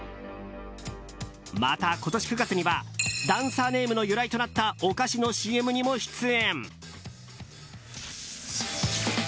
また、今年９月にはダンサーネームの由来となったお菓子のＣＭにも出演。